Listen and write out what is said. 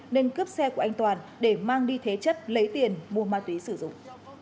nên cướp xe của anh toàn để mang đi thế chất lấy tiền mua ma túy sử dụng